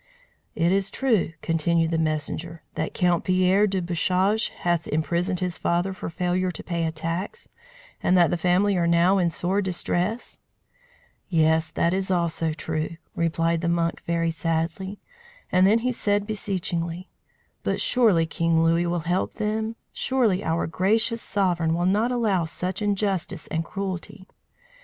"Is it true," continued the messenger, "that Count Pierre de Bouchage hath imprisoned his father for failure to pay a tax, and that the family are now in sore distress?" "Yes, that also is true," replied the monk very sadly. And then he said beseechingly: "But surely King Louis will help them? Surely our gracious sovereign will not allow such injustice and cruelty?"